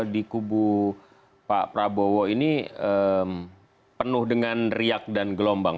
di kubu pak prabowo ini penuh dengan riak dan gelombang